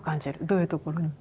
どういうところに？